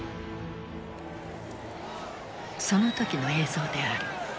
その時の映像である。